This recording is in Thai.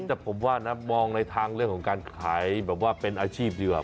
แต่ผมว่านะมองในทางเรื่องของการขายแบบว่าเป็นอาชีพดีกว่า